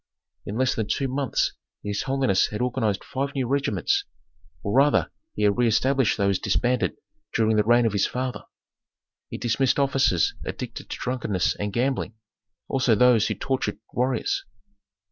In less than two months his holiness had organized five new regiments, or rather he had reëstablished those disbanded during the reign of his father. He dismissed officers addicted to drunkenness and gambling, also those who tortured warriors.